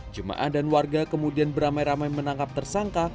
jemaah dan warga kemudian beramai ramai menangkap tersangka